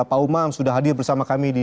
pak umam sudah hadir bersama kami di